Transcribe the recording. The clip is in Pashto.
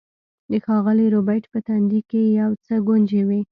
د ښاغلي ربیټ په تندي کې یو څه ګونځې وې